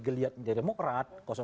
geliatan dari demokrat